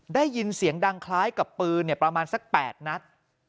ได้ยินเสียงดังคล้ายกับปืนประมาณสัก๘นัด